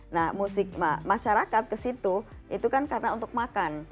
nah musik masyarakat ke situ itu kan karena untuk makan